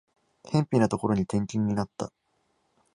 辺ぴなところに転勤になった